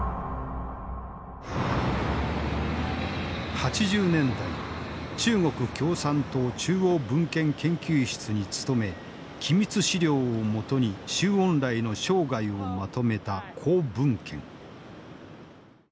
８０年代中国共産党中央文献研究室に勤め機密資料を基に周恩来の生涯をまとめた高文謙。